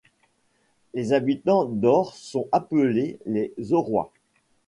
Les habitants d'Ore sont appelés les Orois.